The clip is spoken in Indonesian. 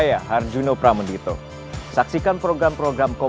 ada pesan dari pak prabowo